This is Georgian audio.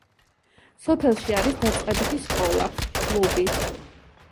სოფელში არის დაწყებითი სკოლა, კლუბი.